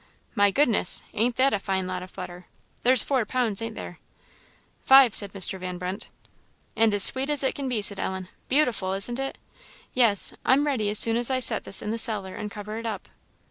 My goodness! ain't that a fine lot of butter? there's four pounds, ain't there?" "Five," said Mr. Van Brunt. "And as sweet as it can be," said Ellen. "Beautiful, isn't it? Yes, I'm ready as soon as I set this in the cellar and cover it up."